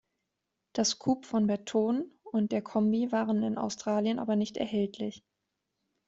Das Coupe von Bertone und der Kombi waren in Australien aber nicht erhältlich.